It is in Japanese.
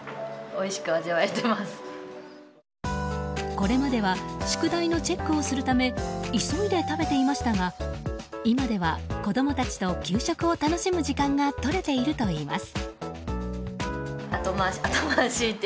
これまでは宿題のチェックをするため急いで食べていましたが今では子供たちと給食を楽しむ時間が取れているといいます。